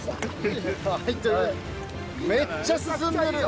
めっちゃ進んでるよ。